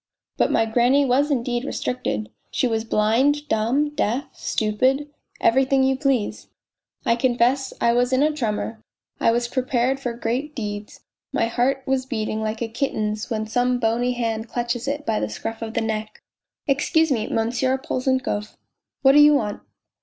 But my granny was indeed restricted : she was blind, dumb, deaf, stupid everything you please. ... I confess I was in a tremor, I was prepared for great deeds ; my heart was beating like a kitten's when some bony hand clutches it by the scruff of the neck." " Excuse me, Monsieur Polzunkov." " What do you want